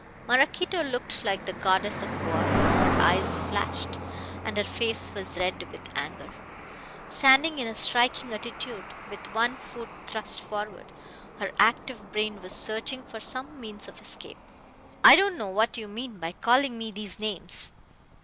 Maraquito looked like the goddess of war. Her eyes flashed and her face was red with anger. Standing in a striking attitude, with one foot thrust forward, her active brain was searching for some means of escape. "I don't know what you mean by calling me these names!"